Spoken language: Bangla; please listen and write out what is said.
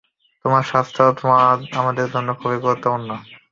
তোমার স্বাস্থ্য আমাদের জন্য খুবই গুরুত্বপূর্ণ।